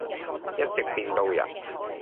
一直變到人。